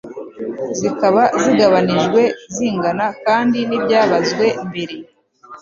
zikaba zigabanijwe zingana kandi nibyabazwe mbere